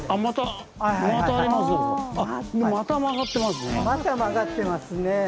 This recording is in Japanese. また曲がってますね。